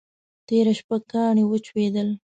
تېره شپه ګاڼي وچودل.